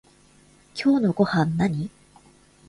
今日のごはんなに？